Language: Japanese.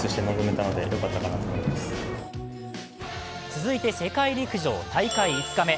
続いて世界陸上大会５日目。